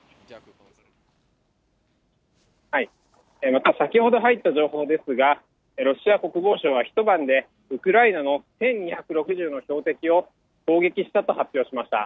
また、先ほど入った情報ですが、ロシア国防省は、一晩でウクライナの１２６０の標的を攻撃したと発表しました。